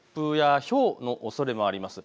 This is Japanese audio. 突風やひょうのおそれもあります。